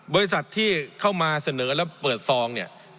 บริษัทที่เข้ามาเสนอแล้วเปิดซองเนี่ย